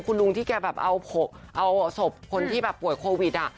คุณลุงที่แกแบบเอาศพคนที่แบบป่วยโควิด